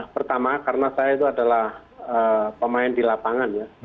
pertama karena saya itu adalah pemain di lapangan ya